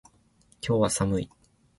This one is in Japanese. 今日は寒い